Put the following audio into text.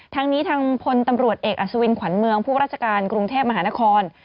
ทางนี้ทางพลตำรวจเอกอัศวินขวัญเมืองผู้ราชการกรุงเทพมหานคร